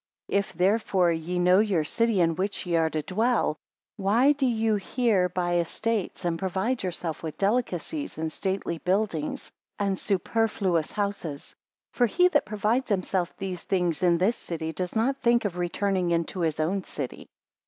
2 If, therefore, ye know your city in which ye are to dwell, why do ye here buy estates, and provide yourselves with delicacies, and stately buildings, and superfluous houses? For he that provides himself these things in this city, does not think of returning into his own city.